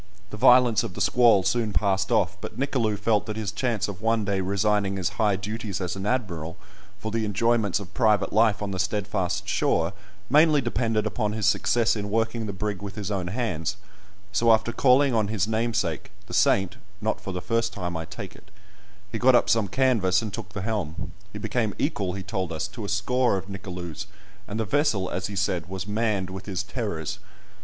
The violence of the squall soon passed off, but Nicolou felt that his chance of one day resigning his high duties as an admiral for the enjoyments of private life on the steadfast shore mainly depended upon his success in working the brig with his own hands, so after calling on his namesake, the saint (not for the first time, I take it), he got up some canvas, and took the helm: he became equal, he told us, to a score of Nicolous, and the vessel, as he said, was "manned with his terrors."